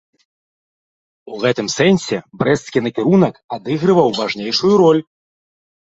У гэтым сэнсе брэсцкі накірунак адыгрываў важнейшую ролю.